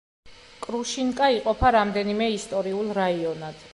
კრუშინკა იყოფა რამდენიმე ისტორიულ რაიონად.